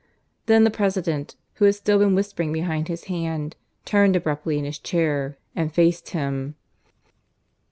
Then the President, who had still been whispering behind his hand, turned abruptly in his chair and faced him.